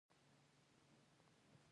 اتمه برخه